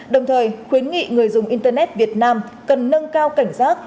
đồng thời khuyến nghị người dùng internet việt nam cần nâng cao cảnh giác